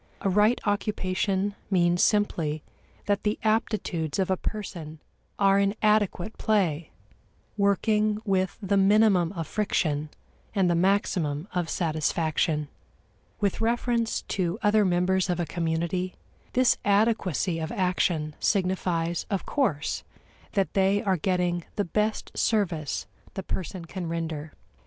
A right occupation means simply that the aptitudes of a person are in adequate play, working with the minimum of friction and the maximum of satisfaction. With reference to other members of a community, this adequacy of action signifies, of course, that they are getting the best service the person can render.